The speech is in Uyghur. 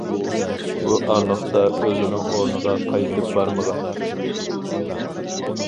بۇ ئارىلىقتا ئۆزىنىڭ ئورنىغا قايتىپ بارمىغان.